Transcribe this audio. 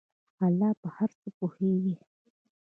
الله په هر څه پوهیږي.